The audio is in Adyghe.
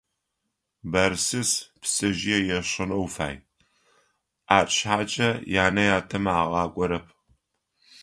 Бэрсис пцэжъые ешэнэу фай, ары шъхьакӏэ янэ-ятэмэ агъакӏорэп.